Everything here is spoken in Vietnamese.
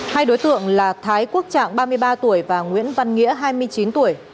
hai đối tượng là thái quốc trạng ba mươi ba tuổi và nguyễn văn nghĩa hai mươi chín tuổi